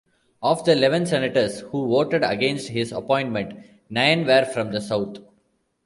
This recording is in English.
Of the eleven senators who voted against his appointment, nine were from the South.